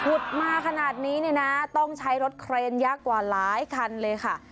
มาขนาดนี้เนี่ยนะต้องใช้รถเครนยากกว่าหลายคันเลยค่ะ